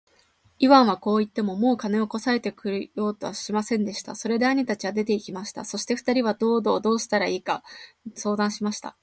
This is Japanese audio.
イワンはこう言って、もう金をこさえようとはしませんでした。それで兄たちは出て行きました。そして二人は道々どうしたらいいか相談しました。